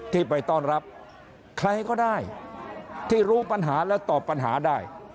ที่ไปต้อนรับใครก็ได้ที่รู้ปัญหาและตอบปัญหาได้